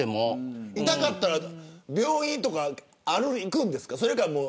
痛かったら病院とか行くんですか。